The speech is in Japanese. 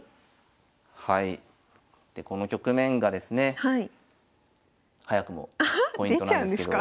はいでこの局面がですね早くもポイントなんですけど。